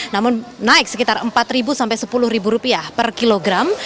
namun naik sekitar empat sampai sepuluh rupiah per kilogram